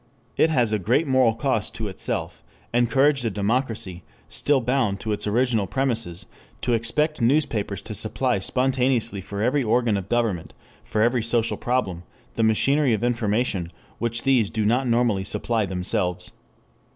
It has at great moral cost to itself, encouraged a democracy, still bound to its original premises, to expect newspapers to supply spontaneously for every organ of government, for every social problem, the machinery of information which these do not normally supply themselves.